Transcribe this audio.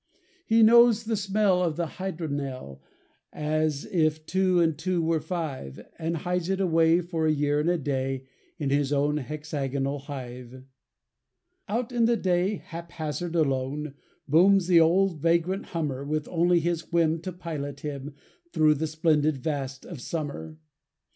He knows the smell of the hydromel As if two and two were five; And hides it away for a year and a day In his own hexagonal hive. Out in the day, hap hazard, alone, Booms the old vagrant hummer, With only his whim to pilot him Through the splendid vast of summer.